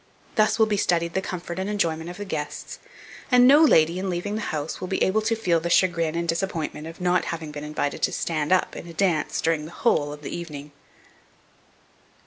Thus will be studied the comfort and enjoyment of the guests, and no lady, in leaving the house, will be able to feel the chagrin and disappointment of not having been invited to "stand up" in a dance during the whole of the evening.